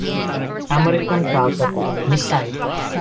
American target missile.